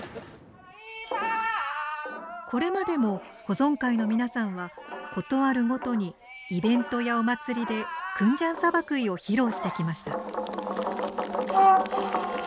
これまでも保存会の皆さんは事あるごとにイベントやお祭りで「国頭サバクイ」を披露してきました。